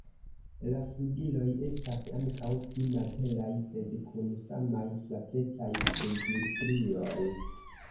La flugiloj estas ankaŭ pli malhelaj sed kun samaj flavecaj flugilstrioj.